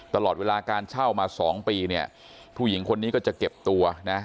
ตลอดเวลาการเช่ามาสองปีเนี่ยผู้หญิงคนนี้ก็จะเก็บตัวนะ